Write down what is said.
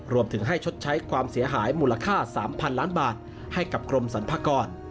รวมถึงให้ชดใช้ความเสียหายมูลค่า๓๐๐๐ล้านบาทให้กับกรมสรรพากร